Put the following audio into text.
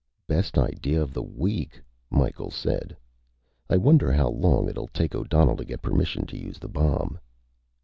"Best idea of the week," Micheals said. "I wonder how long it'll take O'Donnell to get permission to use the bomb."